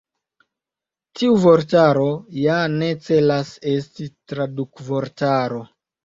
Tiu vortaro ja ne celas esti tradukvortaro.